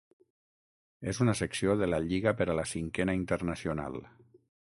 És una secció de la Lliga per a la Cinquena Internacional.